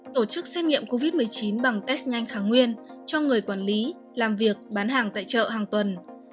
tổ chức xét nghiệm covid một mươi chín bằng test nhanh kháng nguyên cho người quản lý làm việc bán hàng tại chợ hàng tuần